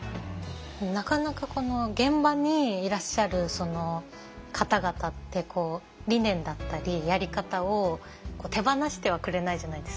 なかなか現場にいらっしゃる方々って理念だったりやり方を手放してはくれないじゃないですか。